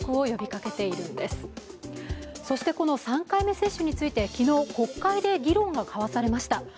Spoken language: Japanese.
３回目接種について昨日、国会で議論が交わされました。